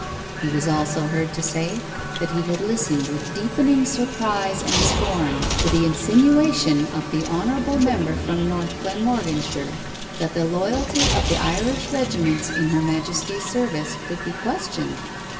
He was also heard to say that he had listened with deepening surprise and scorn to the insinuation of the honorable member from North Glenmorganshire that the loyalty of the Irish regiments in her Majesty's service could be questioned.